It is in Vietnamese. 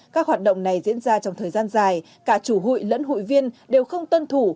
các hoạt động này diễn ra trong thời gian dài cả chủ hụi lẫn hụi viên đều không tuân thủ